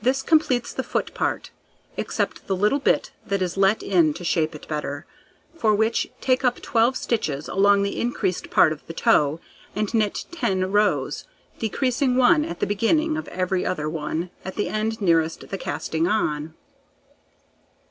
This completes the foot part, except the little bit that is let in to shape it better, for which take up 12 stitches along the increased part of the toe, and knit 10 rows, decreasing 1 at the beginning of every other one at the end nearest the casting on.